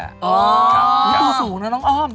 ตัวสูงเนอะน้องอ้อม